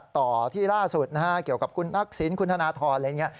ต่อที่ล่าสุดนะฮะเกี่ยวกับคุณทักษิณคุณธนทรอะไรอย่างนี้